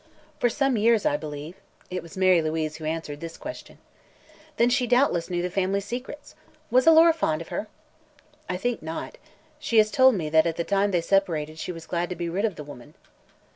"For some years, I believe." It was Mary Louise who answered this question. "Then she doubtless knew the family secrets. Was Alora fond of her?" "I think not. She has told me that at the time they separated she was glad to be rid of the woman."